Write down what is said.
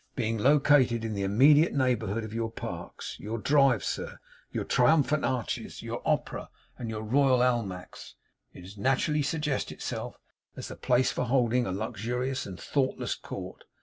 Being located in the immediate neighbourhood of your Parks, your Drives, your Triumphant Arches, your Opera, and your Royal Almacks, it nat'rally suggests itself as the place for holding a luxurious and thoughtless court.